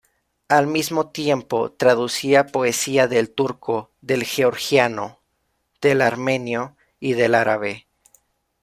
Al mismo tiempo, traducía poesía del turco, del georgiano, del armenio y del árabe.